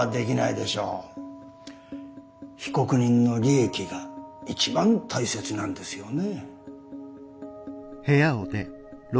被告人の利益が一番大切なんですよね？